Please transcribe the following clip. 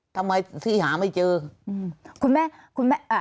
ทำไมที่หาไม่เจออืมคุณแม่คุณแม่อ่า